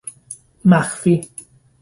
مخفی